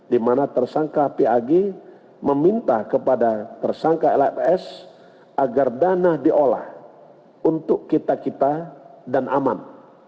di mana tersangka pag meminta kepada tersangka lfs agar dana diolah untuk kita kita dan aman